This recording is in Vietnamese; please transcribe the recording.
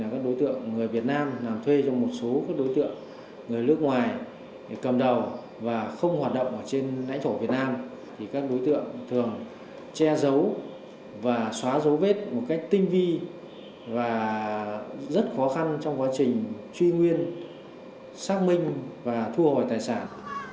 các đối tượng thường che giấu và xóa dấu vết một cách tinh vi và rất khó khăn trong quá trình truy nguyên xác minh và thu hồi tài sản